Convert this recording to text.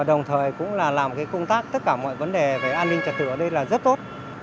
đồng thời cũng là làm công tác tất cả mọi vấn đề về an ninh trật tự ở đây là rất tốt